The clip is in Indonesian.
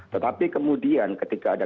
tetapi kemudian ketika ada